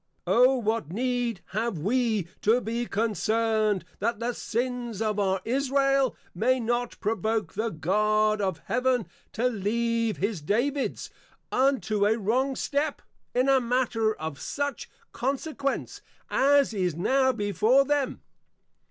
_ O what need have we, to be concerned, that the Sins of our Israel, may not provoke the God of Heaven to leave his Davids, unto a wrong Step, in a matter of such Consequence, as is now before them!